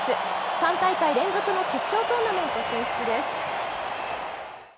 ３大会連続の決勝トーナメント進出です。